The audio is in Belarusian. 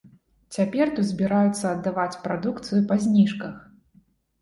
Цяпер тут збіраюцца аддаваць прадукцыю па зніжках.